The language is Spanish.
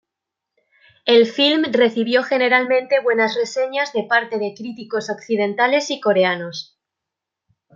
El film recibió generalmente buenas reseñas de parte de críticos occidentales y coreanos.